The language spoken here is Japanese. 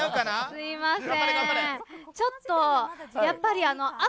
すみません。